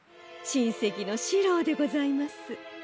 しんせきのシローでございます。